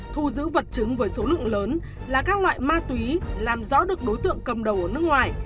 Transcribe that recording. thu giữ vật chứng với số lượng lớn là các loại ma túy làm rõ được đối tượng cầm đầu ở nước ngoài